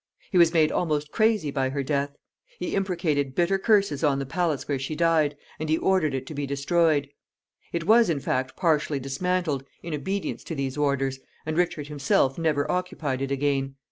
He was made almost crazy by her death. He imprecated bitter curses on the palace where she died, and he ordered it to be destroyed. It was, in fact, partially dismantled, in obedience to these orders, and Richard himself never occupied it again.